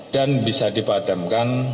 dan bisa dipadamkan